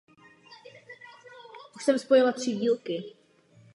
Barokní hala je užívána pro svatební ceremonie a koncerty klasické hudby.